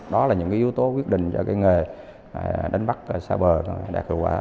đó là những yếu tố quyết định cho nghề đánh bắt xa bờ đạt hiệu quả